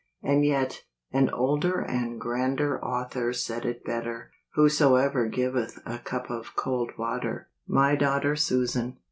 And yet, an older and grander Author said it better: " Whosoever giveth a cup of cold water." My Daughter Susan.